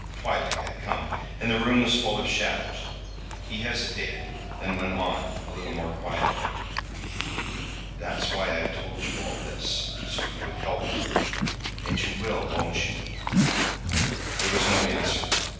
Twilight had come, and the room was full of shadows. He hesitated, then went on, a little more quietly. "That's why I've told you all this so you would help me. And you will, won't you?" There was no answer.